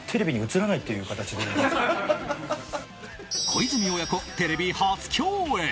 小泉親子、テレビ初共演！